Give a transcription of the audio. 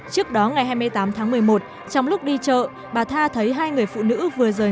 trước đó ngày hai mươi tám tháng một mươi một trong lúc đi chợ bà tha thấy hai người phụ nữ vừa rời